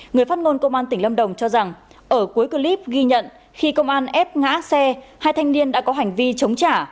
người phát ngôn công an tỉnh lâm đồng cho rằng ở cuối clip ghi nhận khi công an ép ngã xe hai thanh niên đã có hành vi chống trả